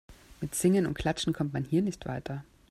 Mit Singen und Klatschen kommt man hier nicht weiter.